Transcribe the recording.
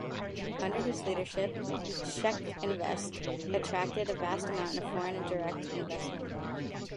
Under his leadership, CzechInvest attracted a vast amount of foreign direct investment.